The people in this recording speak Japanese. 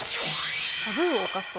タブーを犯すと。